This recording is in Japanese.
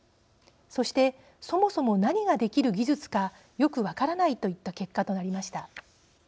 そして「そもそも何ができる技術かよく分からない」といった結果となりました。